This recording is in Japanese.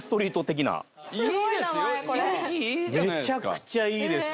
めちゃくちゃいいです。